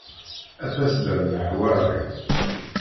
A tasedda n leḥwari.